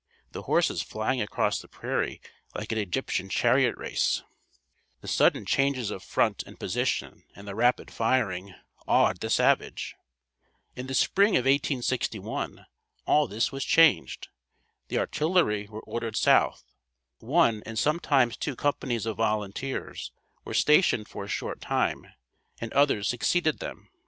The horses flying across the prairie like an Egyptian chariot race, the sudden changes of front and position, and the rapid firing, awed the savage. In the spring of 1861, all this was changed. The artillery were ordered south. One and sometimes two companies of volunteers were stationed for a short time, and others succeeded them.